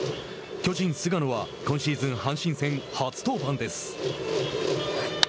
巨人菅野は今シーズン、阪神戦初登板です。